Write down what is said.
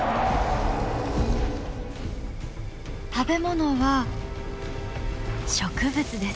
食べ物は植物です。